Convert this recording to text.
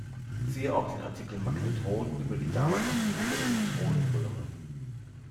Siehe auch den Artikel Magnetron über die damals entwickelte Elektronenröhre.